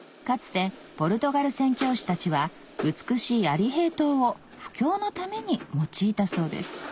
かつてポルトガル宣教師たちは美しい有平糖を布教のために用いたそうです